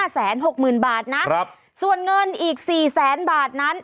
๕แสน๖หมื่นบาทนะส่วนเงินอีก๔แสนบาทนั้น